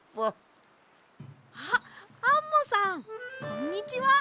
あっアンモさんこんにちは！